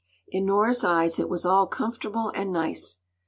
In Nora’s eyes it was all comfortable and nice.